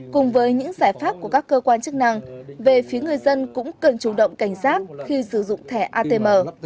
cùng với những giải pháp của các cơ quan chức năng về phía người dân cũng cần chủ động cảnh sát khi sử dụng thẻ atm